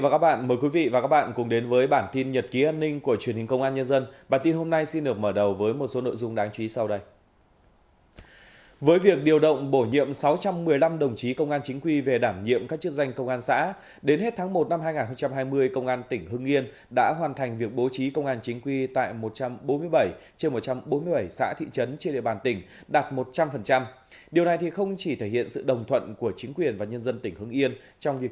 các bạn hãy đăng ký kênh để ủng hộ kênh của chúng mình nhé